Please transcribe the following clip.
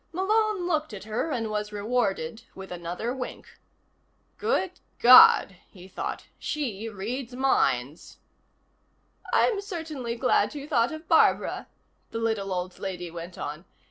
Malone looked at her and was rewarded with another wink. Good God, he thought. She reads minds! "I'm certainly glad you thought of Barbara," the little old lady went on.